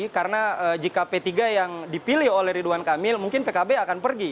karena jika p tiga yang dipilih oleh ridwan kamil mungkin pkb akan pergi